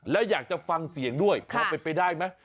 แล้วอยากจะฟังเสียงด้วยพอไปได้ไหม